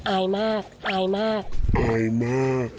อายมากอายมาก